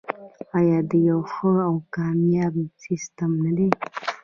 آیا د یو ښه او کامیاب سیستم نه دی؟